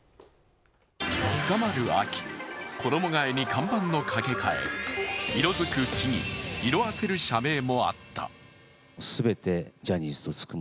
深まる秋、衣がえに看板の掛け替え色づく木々、色あせる社名もあった。